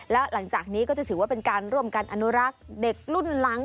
แล้วหลังจากนี้ก็จะถือว่าเป็นการร่วมกันอนุรักษ์เด็กรุ่นหลัง